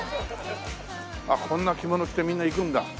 あっこんな着物着てみんな行くんだ。